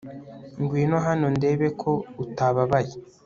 ngwino hano ndebe ko utababaye